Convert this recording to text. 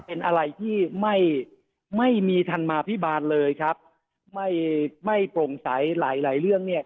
เป็นอะไรที่ไม่มีธรรมาภิบาลเลยครับไม่ตรงใสหลายเรื่องเนี่ย